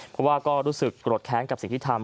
เพราะว่าก็รู้สึกโกรธแค้นกับสิ่งที่ทำ